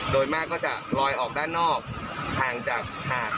โดยมากก็จะลอยออกด้านนอกห่างจากหาด